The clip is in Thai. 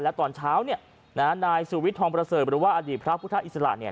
แล้วตอนเช้าเนี่ยนะฮะนายสิวิตทองประเสริมบริวาลอดีตพระพุทธอิสระเนี่ย